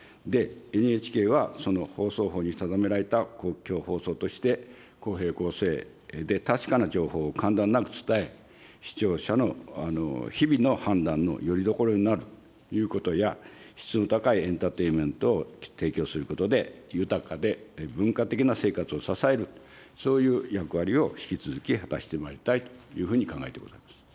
ＮＨＫは、その放送法に定められた公共放送として、公平公正で確かな情報を間断なく伝え、視聴者の日々の判断のよりどころになるということや、質の高いエンターテインメントを提供することで、豊かで文化的な生活を支える、そういう役割を引き続き果たしてまいりたいというふうに考えてございます。